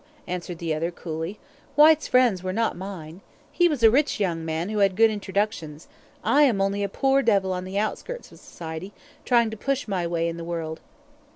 answered the other, coolly. "Whyte's friends were not mine. He was a rich young man who had good introductions. I am only a poor devil on the outskirts of society, trying to push my way in the world."